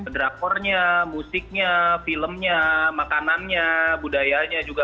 drakornya musiknya filmnya makanannya budayanya juga